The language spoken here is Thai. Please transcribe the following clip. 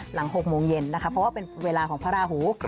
หลัง๖โมงเย็นนะคะเพราะว่าเป็นเวลาของพระราหู